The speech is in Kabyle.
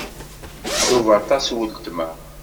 Tcuba aṭas weltma.